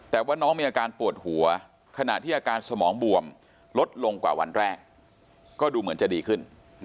แต่ว่าน้องมีอาการปวดหัวขณะที่อาการสมองบวมลดลงกว่าวันแรกก็ดูเหมือนจะดีขึ้น